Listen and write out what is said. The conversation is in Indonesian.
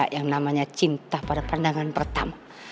yang namanya cinta pada pandangan pertama